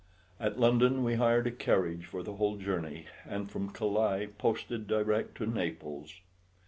At London we hired a carriage for the whole journey, and from Calais posted direct to Naples.